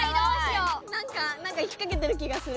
なんか引っかけてる気がする。